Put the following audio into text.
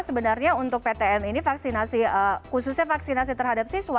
sebenarnya untuk ptm ini vaksinasi khususnya vaksinasi terhadap siswa